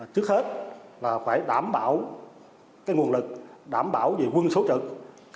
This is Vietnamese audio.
trước hết là phải đảm bảo nguồn lực đảm bảo về quân số trực